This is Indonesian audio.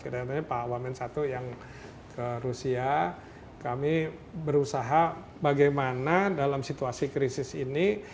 dan pak wamen i yang ke rusia kami berusaha bagaimana dalam situasi krisis ini